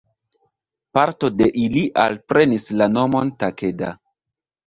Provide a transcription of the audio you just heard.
Parto de ili alprenis la nomon Takeda.